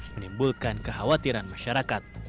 menimbulkan kekhawatiran masyarakat